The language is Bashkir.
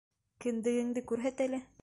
Кендегеңде күрһәт әле.